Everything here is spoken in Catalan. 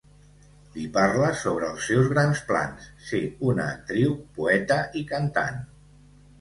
Li parla sobre els seus grans plans: ser una actriu, poeta i cantant.